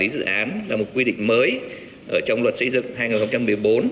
dự án là một quy định mới trong luật xây dựng hai nghìn một mươi bốn